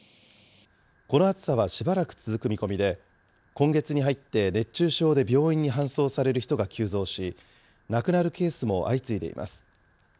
この暑さはしばらく続く見込みで、今月に入って熱中症で病院に搬送される人が急増し、亡くなるケースも相次いでいます。